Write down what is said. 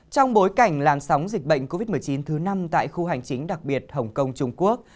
trong bối cảnh làn sóng dịch bệnh covid một mươi chín thứ năm tại khu hành chính đặc biệt hồng kông trung quốc